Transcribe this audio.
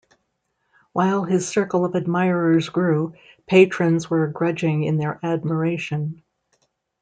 While his circle of admirers grew, patrons were grudging in their admiration.